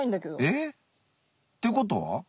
えっ？っていうことは？